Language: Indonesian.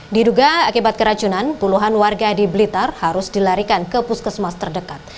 diduga akibat keracunan puluhan warga di blitar harus dilarikan ke puskesmas terdekat